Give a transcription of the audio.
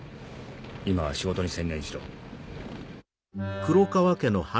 今は仕事に専念しろ。